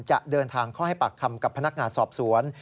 จะเดินทางเข้าให้ปากคำกับพนักงานสอบสวน